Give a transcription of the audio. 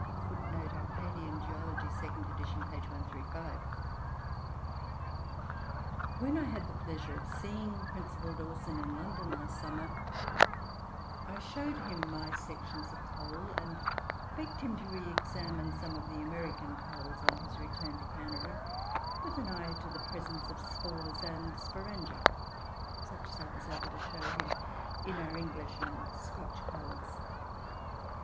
" [Footnote 2: Acadian Geology, 2nd edition, p. 135.] When I had the pleasure of seeing Principal Dawson in London last summer, I showed him my sections of coal, and begged him to re examine some of the American coals on his return to Canada, with an eye to the presence of spores and sporangia, such as I was able to show him in our English and Scotch coals.